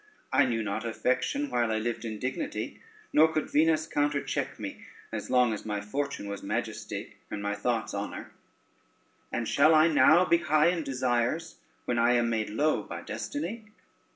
I knew not affection while I lived in dignity, nor could Venus countercheck me, as long as my fortune was majesty, and my thoughts honor; and shall I now be high in desires, when I am made low by destiny?